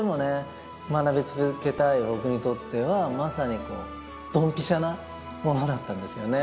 僕にとってはまさにこうドンピシャなものだったんですよね。